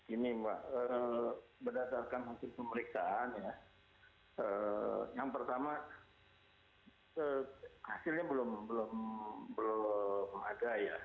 ini mbak berdasarkan hasil pemeriksaan ya yang pertama hasilnya belum ada ya